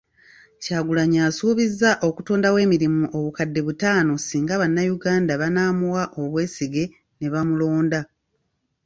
Kyagulanyi asuubizza okutondawo emirimu obukadde butaano singa bannayuganda banaamuwa obwesige ne bamulonda.